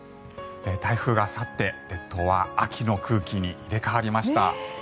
台風が去って、列島は秋の空気に入れ替わりました。